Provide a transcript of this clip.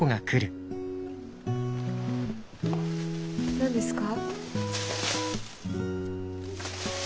何ですか？